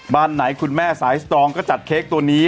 บ้านไหนคุณแม่สายสตรองก็จัดเค้กตัวนี้